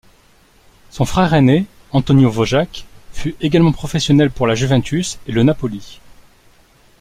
Son frère aîné Antonio Vojak fut également professionnel pour la Juventus et le Napoli.